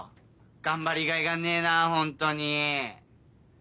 頑張りがいがねえなホントに。